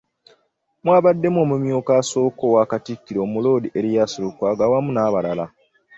Mwabaddemu omumyuka asooka owa Katikkiro, Omuloodi Erias Lukwago awamu n'abalala.